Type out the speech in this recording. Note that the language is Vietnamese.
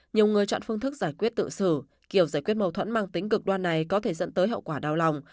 nhiều người chọn phương thức giải quyết tự xử kiểu giải quyết mâu thuẫn mang tính cực đoan này có thể dẫn tới hậu quả đau lòng